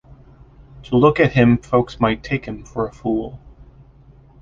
To look at him folks might take him for a fool.